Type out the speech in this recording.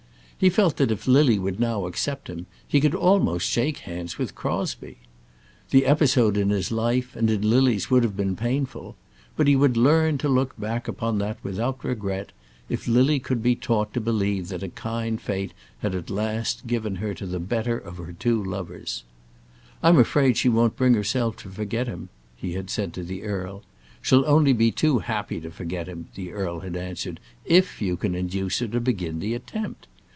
He felt that if Lily would now accept him he could almost shake hands with Crosbie. The episode in his life and in Lily's would have been painful; but he would learn to look back upon that without regret, if Lily could be taught to believe that a kind fate had at last given her to the better of her two lovers. "I'm afraid she won't bring herself to forget him," he had said to the earl. "She'll only be too happy to forget him," the earl had answered, "if you can induce her to begin the attempt.